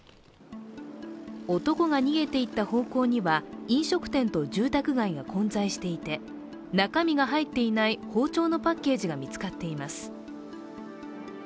男が逃げていった方向には飲食店と住宅街が混在していて、中身が入っていない包丁のパッケージが見つかっています。